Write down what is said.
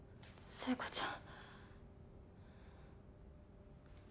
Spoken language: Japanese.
聖子ちゃん